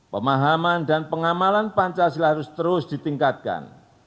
pemahaman dan pengamalan pancasila harus terus ditingkatkan